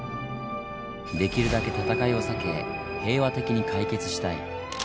「できるだけ戦いを避け平和的に解決したい」。